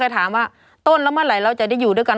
ถามว่าต้นแล้วเมื่อไหร่เราจะได้อยู่ด้วยกัน